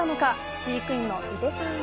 飼育員の井手さんは。